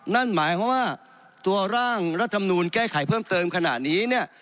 นั่นหมายความว่าตัวร่างรัฐมนูลแก้ไขเพิ่มเติมขณะนี้เนี่ย